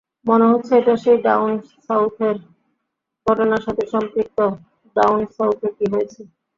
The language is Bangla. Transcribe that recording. মনে হচ্ছে এটা সেই ডাউন সাউথের ঘটনার সাথে সম্পৃক্ত ডাউন সাউথে কী হয়েছে?